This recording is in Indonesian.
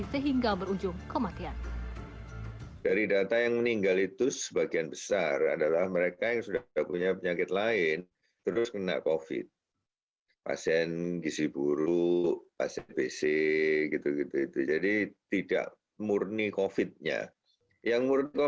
sehingga berujung kematian